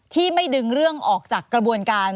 ที่ไม่ดึงเรื่องออกจากกระบวนการ